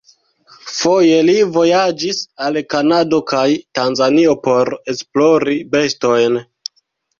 Foje li vojaĝis al Kanado kaj Tanzanio por esplori bestojn.